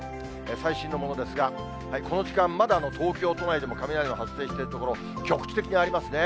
最新のものですが、この時間、まだ東京都内でも雷の発生している所、局地的にありますね。